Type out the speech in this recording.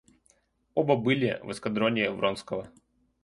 Оба были в эскадроне Вронского.